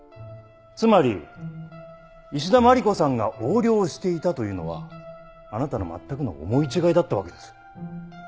つまり石田真理子さんが横領していたというのはあなたのまったくの思い違いだったわけです。